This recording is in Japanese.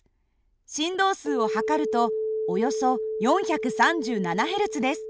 振動数を測るとおよそ４３７Ｈｚです。